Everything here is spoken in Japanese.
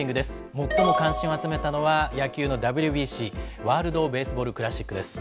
最も関心を集めたのは、野球のＷＢＣ・ワールドベースボールクラシックです。